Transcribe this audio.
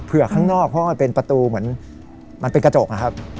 ข้างนอกเพราะมันเป็นประตูเหมือนมันเป็นกระจกอะครับ